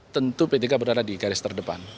tentu p tiga berada di garis terdepan